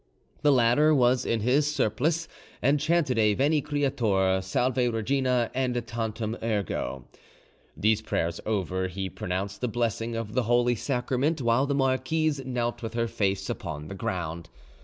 The latter was in his surplice, and chanted a 'Veni Creator, Salve Regina, and Tantum ergo'. These prayers over, he pronounced the blessing of the Holy Sacrament, while the marquise knelt with her face upon the ground.